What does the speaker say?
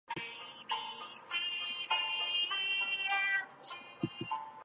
This scene symbolises the genesis and powerful growth of Hong Kong.